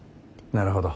なるほど。